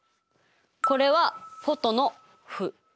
これはフォトの「フ」。